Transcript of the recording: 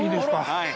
はい。